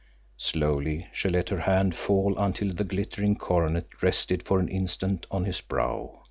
Slowly she let her hand fall until the glittering coronet rested for an instant on his brow.